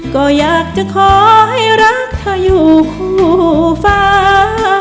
ก็อยากจะขอให้รักเธออยู่คู่ฟ้า